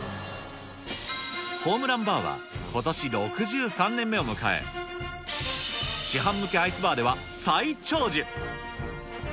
ホームランバーはことし６３年目を迎え、市販向けアイスバーでは最長寿。